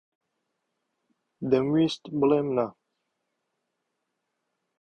دەمویست بڵێم نا.